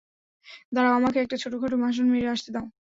দাঁড়াও, আমাকে একটা ছোটখাটো ভাষণ মেরে আসতে দাও।